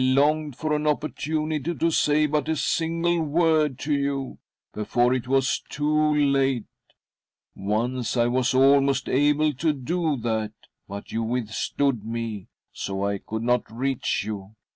longed for an opportunity to say but a.single word to you— before it was loo late. Once I was almost able to do that, but, you withstood me, so I could not reach you.